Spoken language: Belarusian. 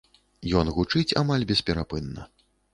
Ён гучыць амаль бесперапынна.